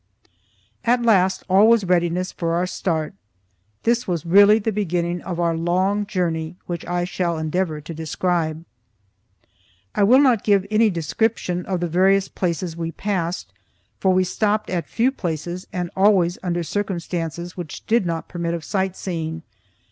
At last all was in readiness for our start. This was really the beginning of our long journey, which I shall endeavor to describe. I will not give any description of the various places we passed, for we stopped at few places and always under circumstances which did not permit of sightseeing.